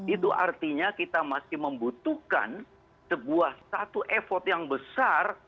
itu artinya kita masih membutuhkan sebuah satu effort yang besar